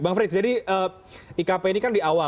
bang frits jadi ikp ini kan di awal